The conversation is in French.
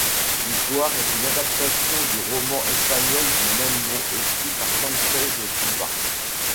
L'histoire est une adaptation du roman espagnol du même nom écrit par Sanchez Silva.